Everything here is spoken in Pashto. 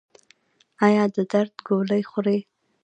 ایا د درد ګولۍ خورئ؟